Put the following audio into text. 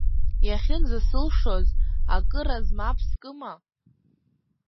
Иахьынӡасылшоз, акыраз мап скыма?